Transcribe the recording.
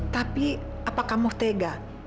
tapi apakah muhtega